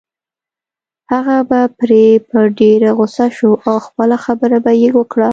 هغه به پرې په ډېره غصه شو او خپله خبره به يې وکړه.